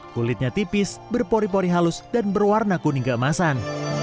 kulitnya tipis berpori pori halus dan berwarna kuning keemasan